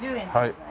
はい。